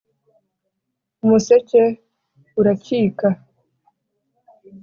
Umuseke urakika